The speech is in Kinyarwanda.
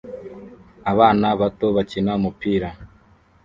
Abana bato bakina umupira